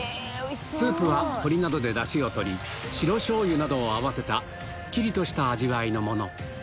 スープは鶏などでダシを取り白醤油などを合わせたすっきりとした味わいのもの